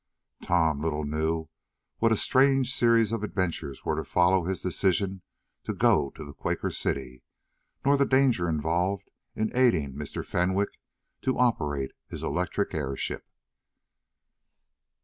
Tom little knew what a strange series of adventures were to follow his decision to go to the Quaker City, nor the danger involved in aiding Mr. Fenwick to operate his electric airship.